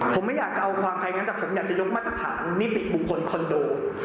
ผมไม่อยากจะเอาความใครนั้นแต่ผมอยากจะยกมาตรฐานนิติบุคคลคอนโด